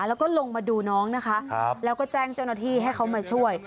แล้วก็ลงมาดูน้องนะคะแล้วก็แจ้งเจ้าหน้าที่ให้เขามาช่วย